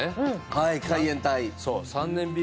はい海援隊。